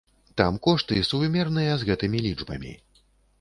Там кошты сувымерныя з гэтымі лічбамі.